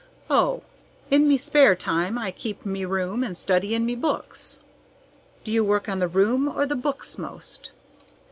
"Oh, in me spare time I keep me room and study in me books." "Do you work on the room or the books most?"